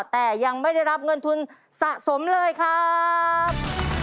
แต่ยังไม่ได้รับเงินทุนสะสมเลยครับ